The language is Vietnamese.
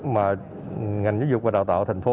mà ngành giáo dục và đào tạo tp hcm